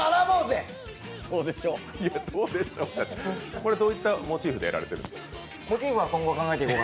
これどういったモチーフでやられてるんですか？